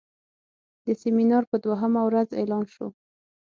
د سیمینار په دوهمه ورځ اعلان شو.